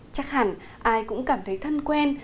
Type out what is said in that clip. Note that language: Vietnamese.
chắc hẳn ai cũng cảm thấy thân quen